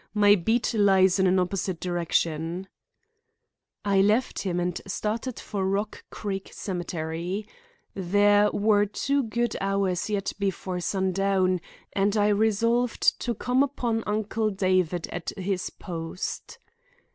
My beat lies in an opposite direction." I left him and started for Rock Creek Cemetery. There were two good hours yet before sundown and I resolved to come upon Uncle David at his post.